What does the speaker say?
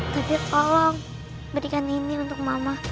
bibit tolong berikan ini untuk mama